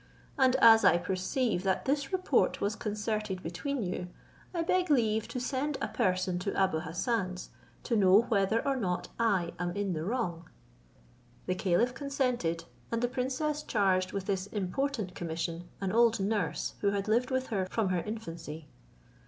And as I perceive that this report was concerted between you, I beg leave to send a person to Abou Hassan's, to know whether or not I am in the wrong." The caliph consented, and the princess charged with this important commission an old nurse, who had lived with her from her infancy.